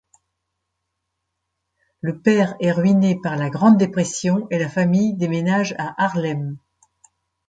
Le père est ruiné par la Grande Dépression, et la famille déménage à Harlem.